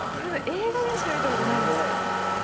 映画でしか見たことないですよ。